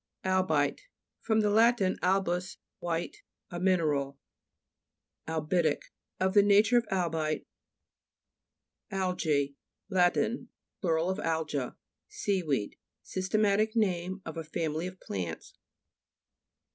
(.Fig. 119.) ALBITE fr. lat. albus, white. A mineral. See p. 120. ALBITIC Of the nature of albite. AL'GJE Lat. plur. of alga. Seaweed. Systematic name of a family of plants.